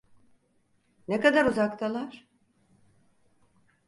Ne kadar uzaktalar?